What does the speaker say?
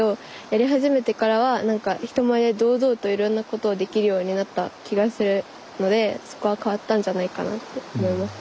やり始めてからは人前で堂々といろんなことをできるようになった気がするのでそこは変わったんじゃないかなって思います。